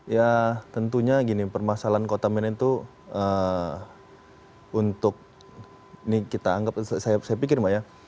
ya tentunya gini permasalahan kota medan itu untuk ini kita anggap saya pikir mbak ya